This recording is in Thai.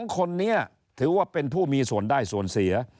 ๒คนนี้ถือว่าเป็นผู้มีส่วนได้ส่วนเสีย